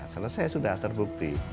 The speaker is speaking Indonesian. selesai sudah terbukti